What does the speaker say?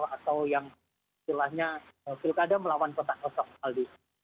atau yang silahnya pilkada melawan kota kota kuala lumpur